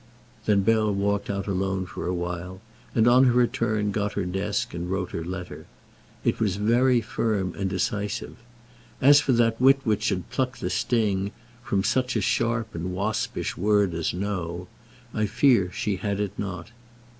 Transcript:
'" Then Bell walked out alone for a while, and on her return got her desk and wrote her letter. It was very firm and decisive. As for that wit which should pluck the sting "from such a sharp and waspish word as 'no,'" I fear she had it not.